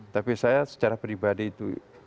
tapi saya secara pribadi itu